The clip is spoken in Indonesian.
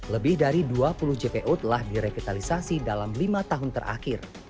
lebih dari dua puluh jpo telah direvitalisasi dalam lima tahun terakhir